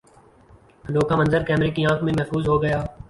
انوکھا منظر کیمرے کی آنکھ میں محفوظ ہوگیا